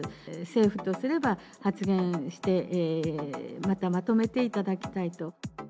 政府とすれば、発言して、またまとめていただきたいと。